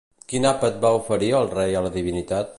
Quin àpat va oferir el rei a la divinitat?